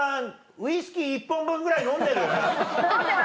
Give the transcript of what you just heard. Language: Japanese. ウイスキー１本分ぐらい飲んでる？